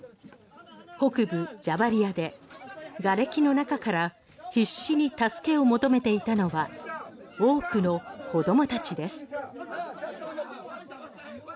北部ジャバリアでがれきの中から必死に助けを求めていたのは多くの子どもたちです。